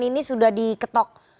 ini sudah diketok